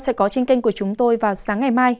sẽ có trên kênh của chúng tôi vào sáng ngày mai